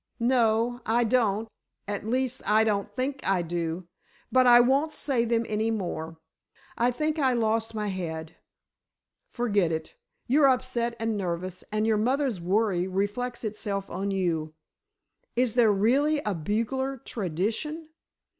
"No, I don't—at least, I don't think I do. But I won't say them any more. I think I lost my head——" "Forget it. You're upset and nervous and your mother's worry reflects itself on you. Is there really a bugler tradition?"